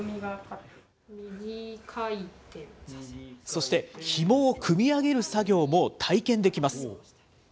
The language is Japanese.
そして、ひもを組み上げる作業も体験できます。